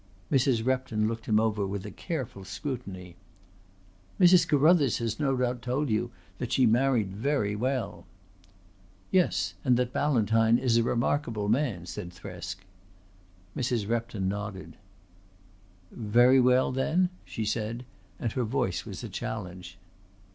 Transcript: Mrs. Repton looked him over with a careful scrutiny. "Mrs. Carruthers has no doubt told you that she married very well." "Yes; and that Ballantyne is a remarkable man," said Thresk. Mrs. Repton nodded. "Very well then?" she said, and her voice was a challenge.